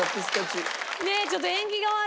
ねえちょっと縁起が悪い。